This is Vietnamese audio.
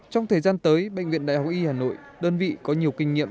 trong thời gian tới bệnh viện đại học y hà nội đơn vị có nhiều kinh nghiệm